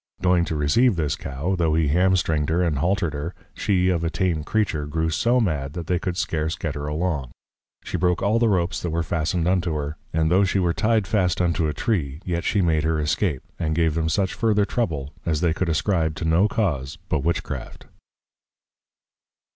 Going to receive this Cow, tho he Hamstring'd her, and Halter'd her, she, of a Tame Creature, grew so mad, that they could scarce get her along. She broke all the Ropes that were fastned unto her, and though she were ty'd fast unto a Tree, yet she made her escape, and gave them such further trouble, as they could ascribe to no cause but Witchcraft.